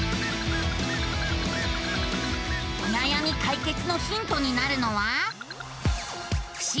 おなやみ解決のヒントになるのは。